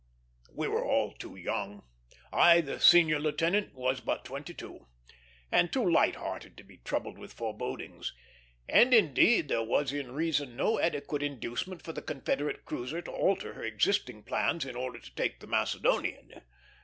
We were all too young I, the senior lieutenant, was but twenty two and too light hearted to be troubled with forebodings; and, indeed, there was in reason no adequate inducement for the Confederate cruiser to alter her existing plans in order to take the Macedonian.